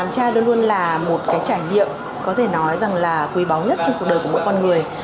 có thể nói rằng là quý báu nhất trong cuộc đời của mỗi con người